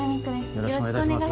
よろしくお願いします